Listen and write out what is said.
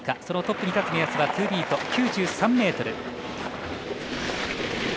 そのトップに立つ目安はツービート９３ｍ。